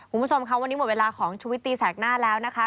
คุณผู้ชมค่ะวันนี้หมดเวลาของชุวิตตีแสกหน้าแล้วนะคะ